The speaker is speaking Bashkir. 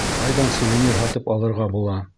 Ҡайҙан сувенир һатып алырға була?